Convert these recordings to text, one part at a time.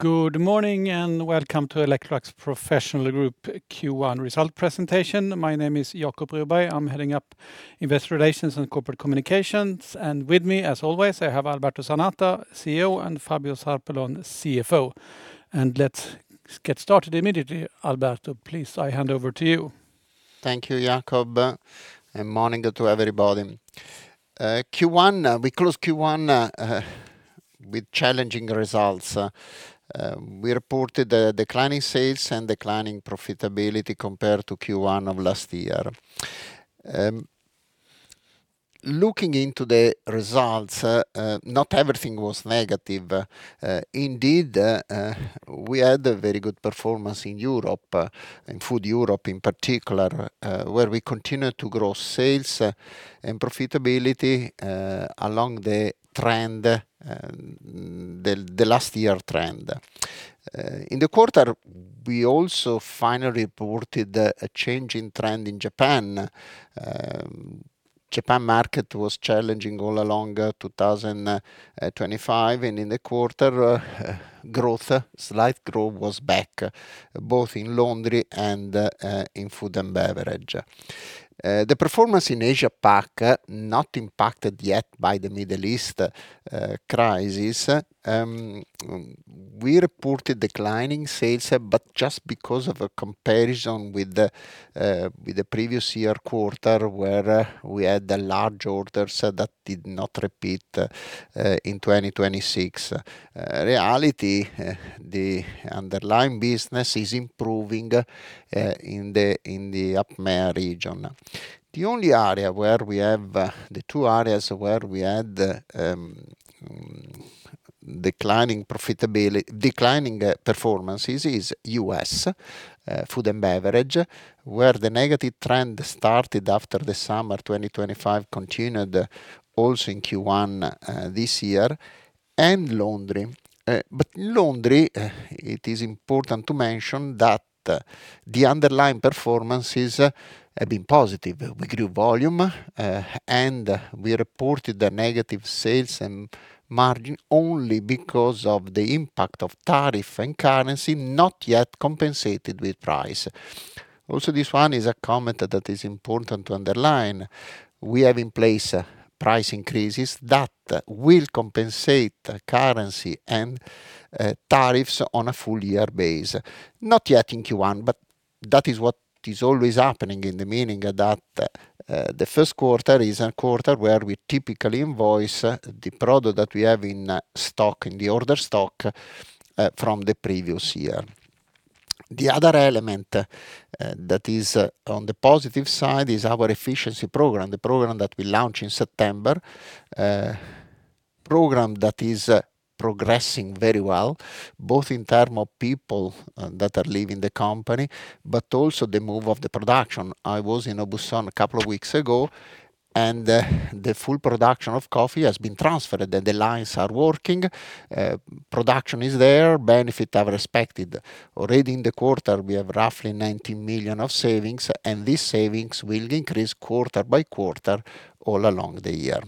Good morning, and welcome to Electrolux Professional Group Q1 result presentation. My name is Jacob Broberg. I'm heading up Investor Relations and Corporate Communications. With me, as always, I have Alberto Zanata, CEO, and Fabio Zarpellon, CFO. Let's get started immediately. Alberto, please, I hand over to you. Thank you, Jacob, and good morning to everybody. Q1, we closed Q1 with challenging results. We reported declining sales and declining profitability compared to Q1 of last year. Looking into the results, not everything was negative. Indeed, we had a very good performance in Europe, in Food Europe, in particular, where we continued to grow sales and profitability along the trend, the last year trend. In the quarter, we also finally reported a change in trend in Japan. Japan market was challenging all along 2025, and in the quarter, slight growth was back, both in Laundry and in Food and Beverage. The performance in Asia Pac, not impacted yet by the Middle East crisis. We reported declining sales, but just because of a comparison with the previous year quarter, where we had the large orders that did not repeat in 2026. In reality, the underlying business is improving in the APMEA region. The two areas where we had declining profitability, declining performances is U.S. Food and Beverage, where the negative trend started after the summer 2025 continued also in Q1 this year, and Laundry. Laundry, it is important to mention that the underlying performance has been positive. We grew volume, and we reported the negative sales and margin only because of the impact of tariff and currency not yet compensated with price. Also, this one is a comment that is important to underline. We have in place price increases that will compensate currency and tariffs on a full-year basis. Not yet in Q1, but that is what is always happening in the sense that the first quarter is a quarter where we typically invoice the product that we have in stock, in the order stock from the previous year. The other element that is on the positive side is our efficiency program, the program that we launched in September. Program that is progressing very well, both in term of people that are leaving the company, but also the move of the production. I was in Lieusaint a couple of weeks ago, and the full production of coffee has been transferred, and the lines are working. Production is there, benefits are respected. Already in the quarter, we have roughly 90 million of savings, and these savings will increase quarter by quarter all along the year.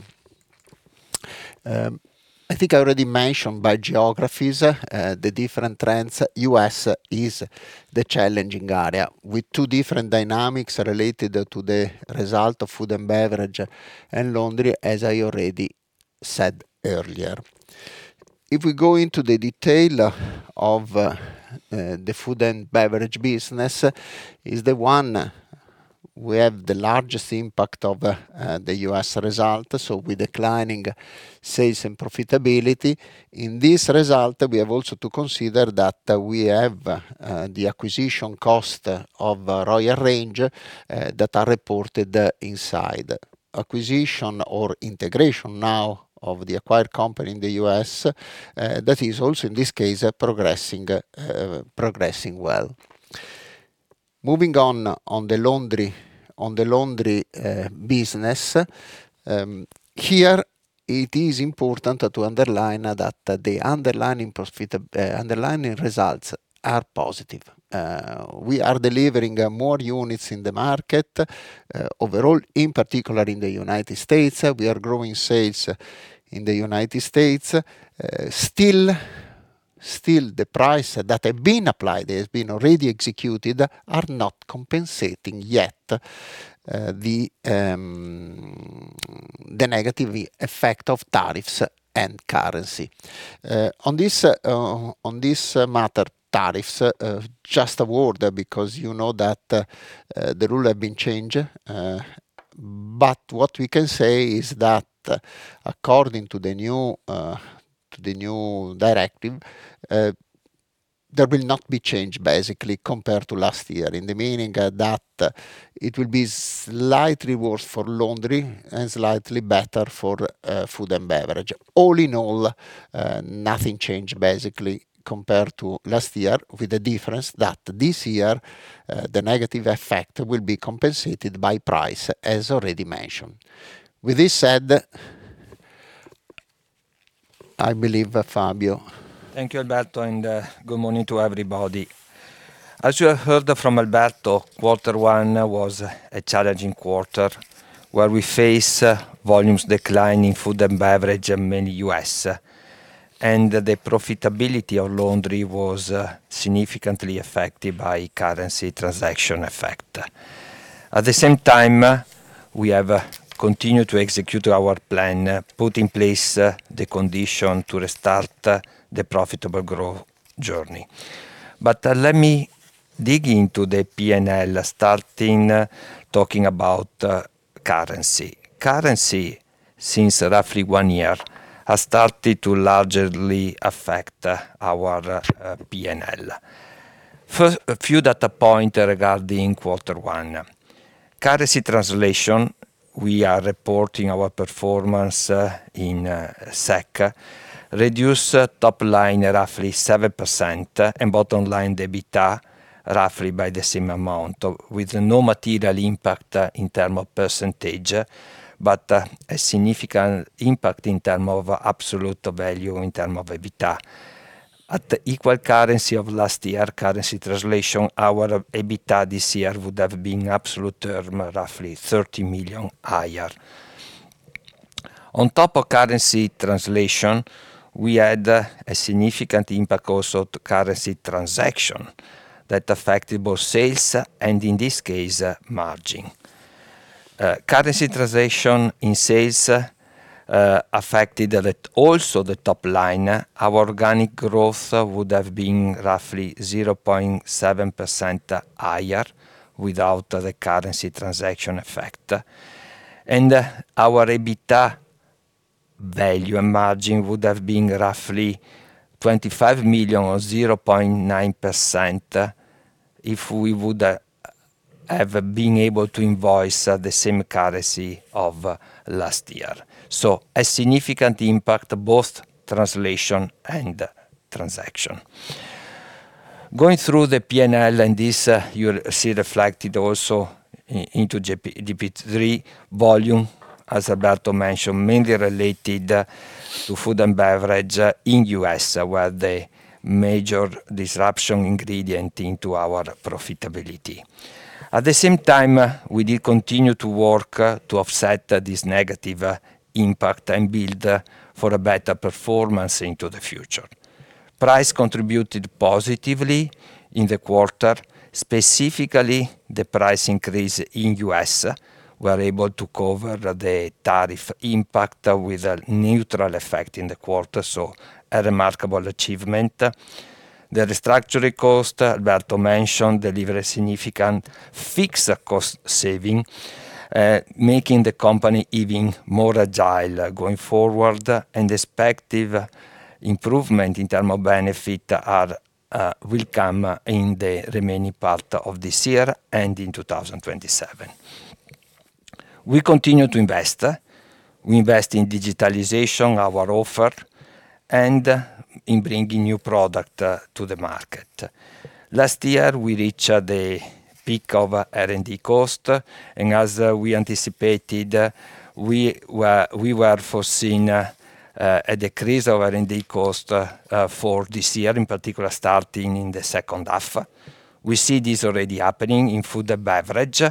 I think I already mentioned by geographies the different trends. U.S. is the challenging area with two different dynamics related to the result of Food and Beverage and Laundry, as I already said earlier. If we go into the detail of the Food and Beverage business, is the one we have the largest impact of the U.S. result, so with declining sales and profitability. In this result, we have also to consider that we have the acquisition cost of Royal Range that are reported inside. Acquisition or integration now of the acquired company in the U.S. that is also, in this case, progressing well. Moving on to the Laundry business. Here it is important to underline that the underlying profit, underlying results are positive. We are delivering more units in the market overall, in particular in the United States. We are growing sales in the United States. Still, the price that have been applied, that has been already executed, are not compensating yet the negative effect of tariffs and currency. On this matter, tariffs, just a word because you know that the rule have been changed. What we can say is that according to the new, to the new directive, there will not be change basically compared to last year. In the meaning that it will be slightly worse for Laundry and slightly better for Food and Beverage. All in all, nothing changed basically compared to last year, with the difference that this year, the negative effect will be compensated by price, as already mentioned. With this said, I believe at, Fabio. Thank you, Alberto, and good morning to everybody. As you have heard from Alberto, quarter one was a challenging quarter, where we face volumes decline in Food and Beverage and mainly U.S. The profitability of Laundry was significantly affected by currency transaction effect. At the same time, we have continued to execute our plan, put in place the condition to restart the profitable growth journey. Let me dig into the P&L starting talking about currency. Currency since roughly one year has started to largely affect our P&L. First, a few data point regarding quarter one. Currency translation, we are reporting our performance in SEK reduce top line roughly 7%, and bottom line the EBITDA roughly by the same amount, with no material impact in term of percentage, but a significant impact in term of absolute value in term of EBITDA. At equal currency of last year, currency translation, our EBITDA this year would have been in absolute terms roughly SEK 30 million higher. On top of currency translation, we had a significant impact also to currency transaction that affected both sales and in this case, margin. Currency transaction in sales affected also the top line. Our organic growth would have been roughly 0.7% higher without the currency transaction effect. Our EBITDA value and margin would have been roughly SEK 25 million or 0.9% if we would have been able to invoice the same currency of last year. A significant impact, both translation and transaction. Going through the P&L, you'll see reflected also into GP3 volume, as Alberto mentioned, mainly related to Food and Beverage in the U.S., was the major disrupting ingredient in our profitability. At the same time, we did continue to work to offset this negative impact and build for a better performance into the future. Price contributed positively in the quarter, specifically the price increase in U.S. We are able to cover the tariff impact with a neutral effect in the quarter, so a remarkable achievement. The restructuring cost, Alberto mentioned, deliver a significant fixed cost saving, making the company even more agile going forward, and respective improvement in term of benefit are will come in the remaining part of this year and in 2027. We continue to invest. We invest in digitalization, our offer, and in bringing new product to the market. Last year, we reached the peak of R&D cost, and as we anticipated, we were foreseeing a decrease of R&D cost for this year, in particular, starting in the second half. We see this already happening in Food and Beverage,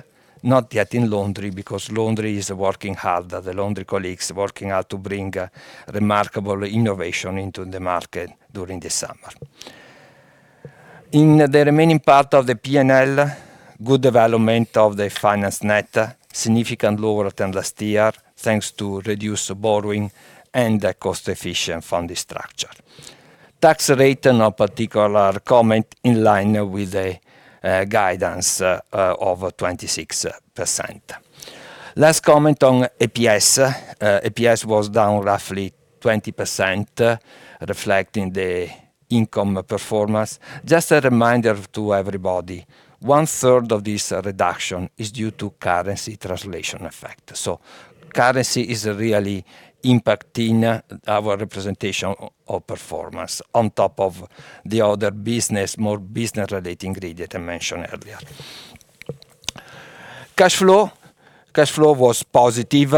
not yet in Laundry, because Laundry is working hard. The Laundry colleagues are working hard to bring remarkable innovation into the market during the summer. In the remaining part of the P&L, good development of the finance net, significant lower than last year, thanks to reduced borrowing and the cost-efficient funding structure. Tax rate, no particular comment, in line with the guidance of 26%. Last comment on EPS. EPS was down roughly 20%, reflecting the income performance. Just a reminder to everybody, one third of this reduction is due to currency translation effect. Currency is really impacting our representation of performance on top of the other business, more business-related ingredient I mentioned earlier. Cash flow was positive,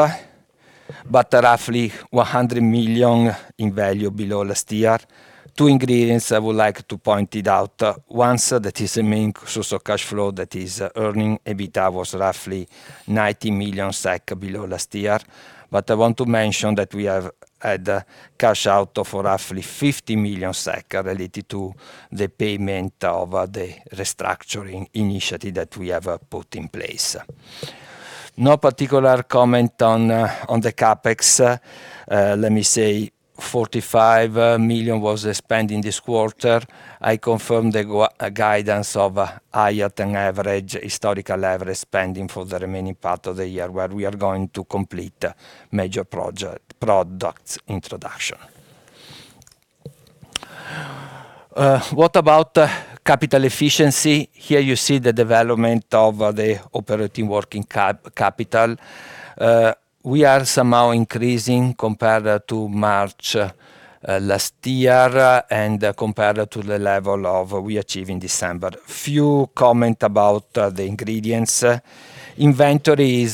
but roughly 100 million in value below last year. Two ingredients I would like to point out. One is that the main source of cash flow that is earning EBITDA was roughly 90 million SEK below last year. But I want to mention that we have had cash out of roughly 50 million SEK related to the payment of the restructuring initiative that we have put in place. No particular comment on the CapEx. Let me say 45 million was spent in this quarter. I confirm the guidance of higher than average historical average spending for the remaining part of the year, where we are going to complete major products introduction. What about the capital efficiency? Here you see the development of the operating working capital. We are somewhat increasing compared to March last year and compared to the level we achieve in December. A few comments about the inventories. Inventory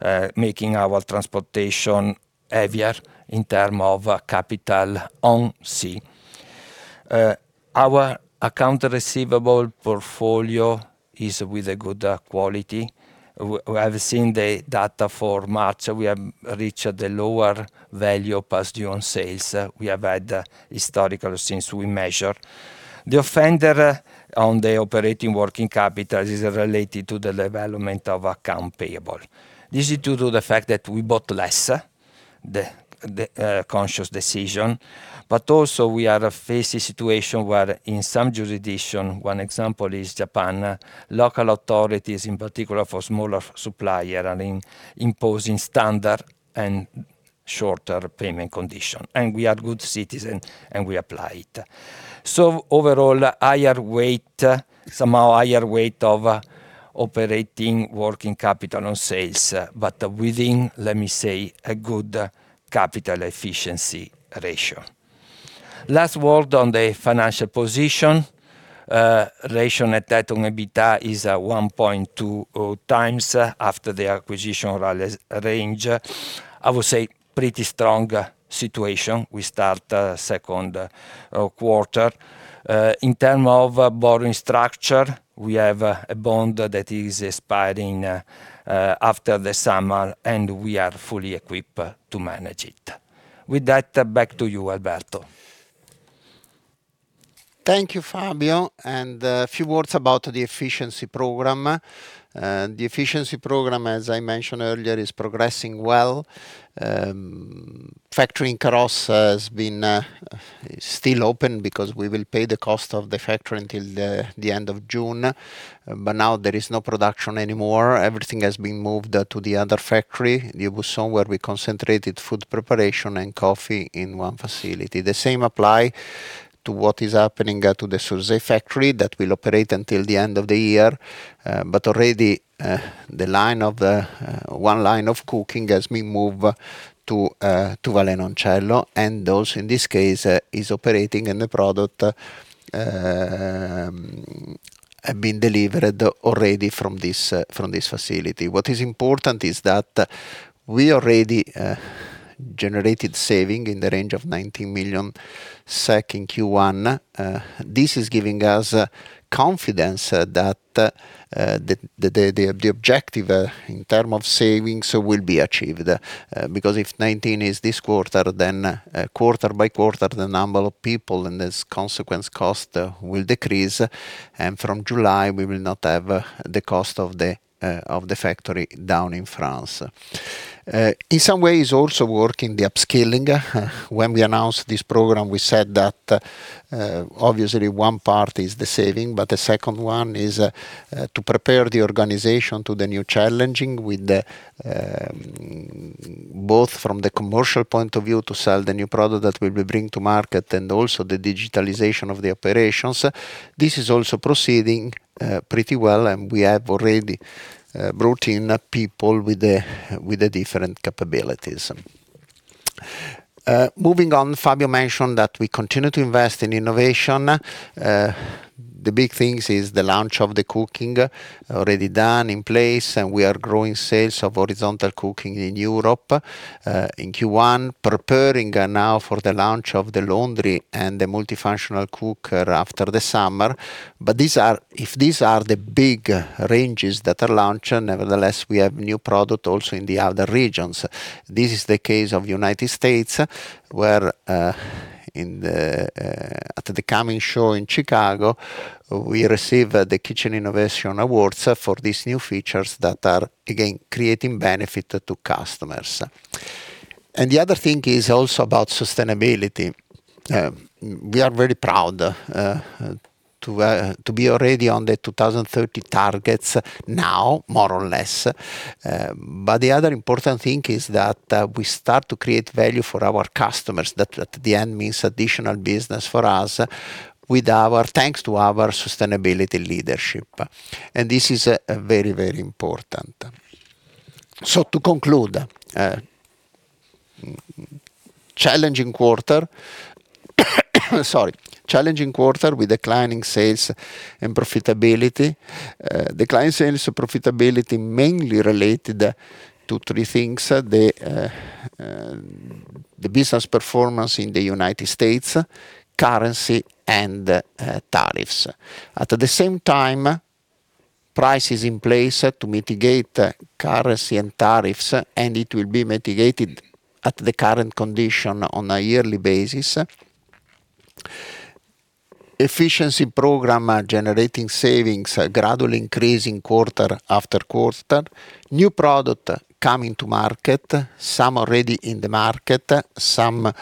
is stable on the same level as the previous quarter in terms of weight on sales. I believe this is a remarkable achievement considering that we have additional goods in transit due to what is happening in the Middle East, making our transportation heavier in terms of capital on sea. Our accounts receivable portfolio is with good quality. We have seen the data for March. We have reached the lowest value past due on sales we have had historical since we measure. The offset on the operating working capital is related to the development of accounts payable. This is due to the fact that we bought less, the conscious decision, but also we are facing a situation where in some jurisdictions, one example is Japan, local authorities in particular for smaller suppliers are imposing standards and shorter payment conditions, and we are good citizens, and we apply it. So overall, higher weight, somehow higher weight of operating working capital on sales, but within, let me say, a good capital efficiency ratio. Last word on the financial position, net debt to EBITDA ratio is at 1.2x after the acquisition of Royal Range. I would say pretty strong situation. We start the second quarter. In terms of borrowing structure, we have a bond that is expiring after the summer, and we are fully equipped to manage it. With that, back to you, Alberto. Thank you, Fabio. A few words about the efficiency program. The efficiency program, as I mentioned earlier, is progressing well. Factory in Carlos has been still open because we will pay the cost of the factory until the end of June, but now there is no production anymore. Everything has been moved to the other factory, Lieusaint, where we concentrated food preparation and coffee in one facility. The same apply to what is happening to the Sursee factory that will operate until the end of the year. Already, one line of cooking has been moved to Vallenoncello, and those in this case is operating and the product have been delivered already from this facility. What is important is that we already generated savings in the range of 19 million SEK in Q1. This is giving us confidence that the objective in terms of savings will be achieved. Because if 19 is this quarter, then quarter by quarter, the number of people and their consequent costs will decrease. From July, we will not have the cost of the factory down in France. In some ways also working on the upskilling. When we announced this program, we said that obviously one part is the savings, but the second one is to prepare the organization to the new challenges with both from the commercial point of view to sell the new products that we will bring to market and also the digitalization of the operations. This is also proceeding pretty well, and we have already brought in people with the different capabilities. Moving on, Fabio mentioned that we continue to invest in innovation. The big things is the launch of the cooking already done in place, and we are growing sales of horizontal cooking in Europe in Q1, preparing now for the launch of the laundry and the multifunctional cooker after the summer. These are the big ranges that are launched, but nevertheless, we have new product also in the other regions. This is the case of United States, where at the coming show in Chicago, we received the Kitchen Innovation Award for these new features that are again creating benefit to customers. The other thing is also about sustainability. We are very proud to be already on the 2030 targets now, more or less. The other important thing is that we start to create value for our customers. That at the end means additional business for us thanks to our sustainability leadership. This is very, very important. To conclude, challenging quarter with declining sales and profitability. Declining sales and profitability mainly related to three things, the business performance in the United States, currency, and tariffs. At the same time, price is in place to mitigate currency and tariffs, and it will be mitigated at the current condition on a yearly basis. Efficiency program are generating savings, gradually increasing quarter after quarter. New product coming to market, some already in the market, some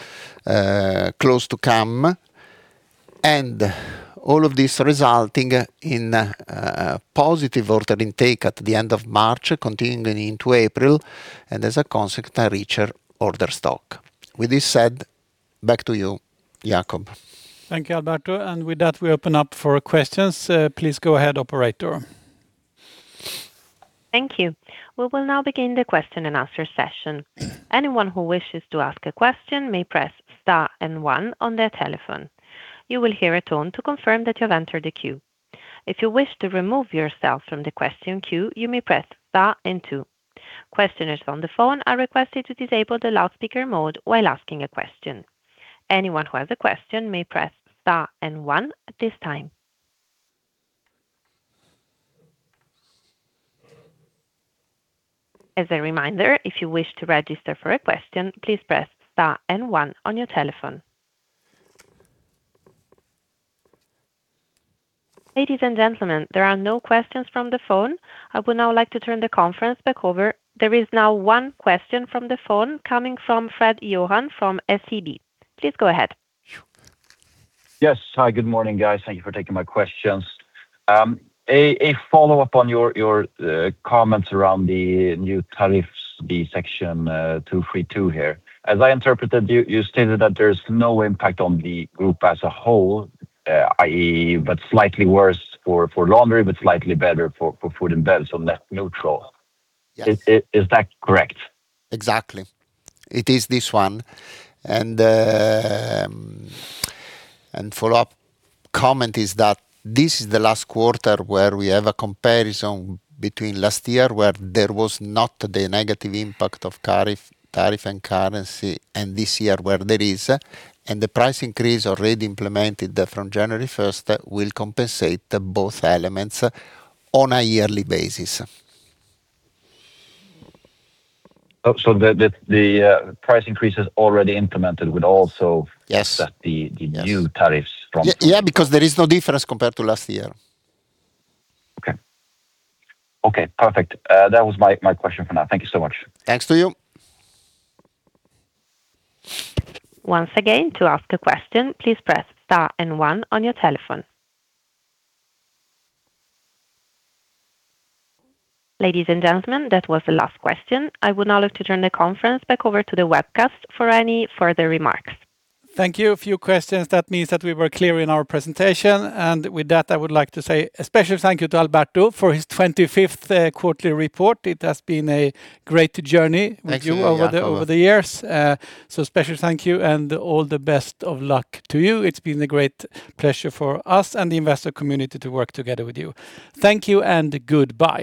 close to come. All of this resulting in a positive order intake at the end of March, continuing into April, and as a consequence, a richer order stock. With this said, back to you, Jacob. Thank you, Alberto. With that, we open up for questions. Please go ahead, operator. Thank you. We will now begin the question and answer session. Anyone who wishes to ask a question may press star and one on their telephone. You will hear a tone to confirm that you have entered the queue. If you wish to remove yourself from the question queue, you may press star and two. Questioners on the phone are requested to disable the loudspeaker mode while asking a question. Anyone who has a question may press star and one at this time. As a reminder, if you wish to register for a question, please press star and one on your telephone. Ladies and gentlemen, there are no questions from the phone. I would now like to turn the conference back over. There is now one question from the phone coming from Fred Johan from SEB. Please go ahead. Yes. Hi, good morning, guys. Thank you for taking my questions. A follow-up on your comments around the new tariffs, Section 232 here. As I interpreted, you stated that there's no impact on the group as a whole, i.e., but slightly worse for Laundry, but slightly better for Food and Beverage, so net neutral. Yes. Is that correct? Exactly. It is this one. Follow-up comment is that this is the last quarter where we have a comparison between last year where there was not the negative impact of tariff and currency, and this year where there is. The price increase already implemented from January first will compensate the both elements on a yearly basis. The price increase is already implemented will also- Yes. set the new tariffs from. Yeah, because there is no difference compared to last year. Okay. Okay, perfect. That was my question for now. Thank you so much. Thanks to you. Once again, to ask a question, please press star and one on your telephone. Ladies and gentlemen, that was the last question. I would now like to turn the conference back over to the webcast for any further remarks. Thank you. A few questions? That means that we were clear in our presentation. With that, I would like to say a special thank you to Alberto for his 25th quarterly report. It has been a great journey. Thank you very much, Jacob. With you over the years. Special thank you and all the best of luck to you. It's been a great pleasure for us and the investor community to work together with you. Thank you and goodbye.